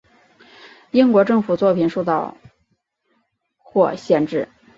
英国政府作品受到或限制。